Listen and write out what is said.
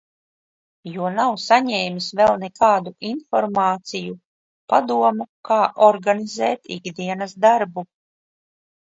Jo nav saņēmis vēl nekādu informāciju, padomu, kā organizēt ikdienas darbu.